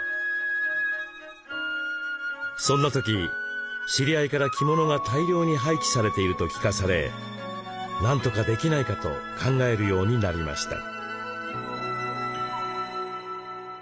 そんな時知り合いから着物が大量に廃棄されていると聞かされなんとかできないかと考えるようになりました。